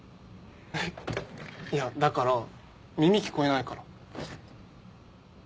えっいやだから耳聞こえないから。